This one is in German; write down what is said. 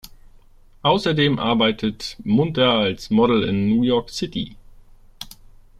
Außerdem arbeitet Munter als Model in New York City.